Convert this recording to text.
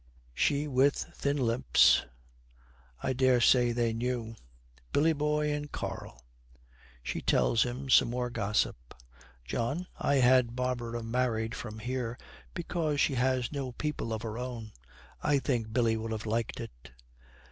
She with, thin lips, 'I daresay they knew.' 'Billy boy and Karl!' She tells him some more gossip. 'John, I had Barbara married from here because she has no people of her own. I think Billy would have liked it.'